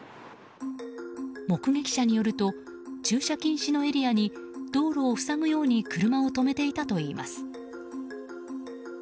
目撃者によると駐車禁止のエリアに道路を塞ぐように車を止めていたといいます。